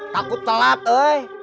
takut telat eh